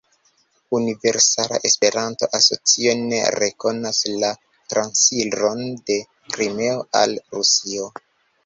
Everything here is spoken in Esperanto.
Universala Esperanto-Asocio ne rekonas la transiron de Krimeo al Rusio.